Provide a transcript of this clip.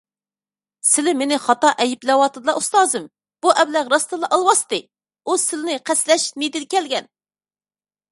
سىلى مېنى خاتا ئەيىبلەۋاتىدىلا، ئۇستازىم، بۇ ئەبلەخ راستتىنلا ئالۋاستى، ئۇ سىلىنى قەستلەش نىيىتىدە كەلگەن.